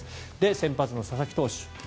先発の佐々木投手